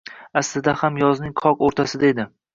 Aslida ham yozning qoq o’rtasida edi.